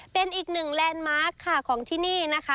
เป็นอีกหนึ่งแลนด์มาร์คค่ะของที่นี่นะคะ